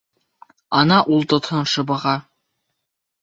Ана, ул тотһон шыбаға.